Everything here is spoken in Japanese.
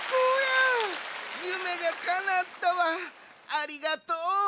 ありがとう。